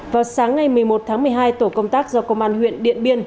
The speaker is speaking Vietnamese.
vào sáng ngày một mươi một tháng một mươi hai tổ công tác do công an huyện điện biên